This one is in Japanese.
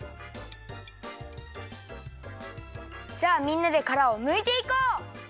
じゃあみんなでからをむいていこう！